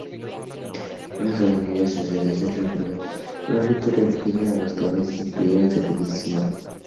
Una jerarquía de sacerdotes regulaba los ritos religiosos, que a veces incluyeron sacrificios humanos.